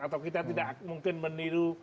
atau kita tidak mungkin meniru